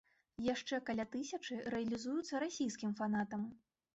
Яшчэ каля тысячы рэалізуюцца расійскім фанатам.